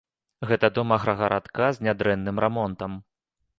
Гэта дом аграгарадка з нядрэнным рамонтам.